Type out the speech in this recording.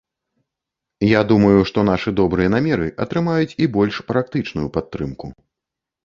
Я думаю, што нашы добрыя намеры атрымаюць і больш практычную падтрымку.